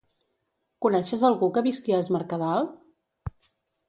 Coneixes algú que visqui a Es Mercadal?